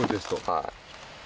はい。